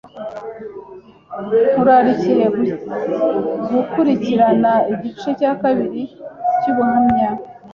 Nkurarikiye gukurikirana igice cya kabiri cy’ubuhamya